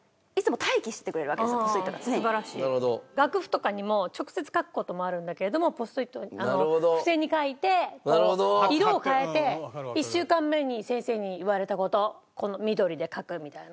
楽譜とかにも直接書く事もあるんだけれどもポストイット付箋に書いてこう色を変えて１週間目に先生に言われた事緑で書くみたいな。